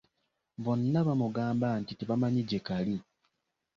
Bonna bamugamba nti tebamanyi gye kali.